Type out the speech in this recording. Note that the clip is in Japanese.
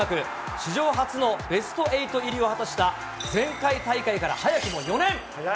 史上初のベスト８入りを果たした前回大会から早くも４年。